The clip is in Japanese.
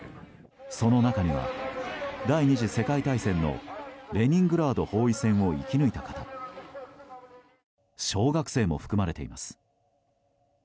その中には第２次世界大戦のレニングラード包囲戦を生き抜いた方小学生も含まれています。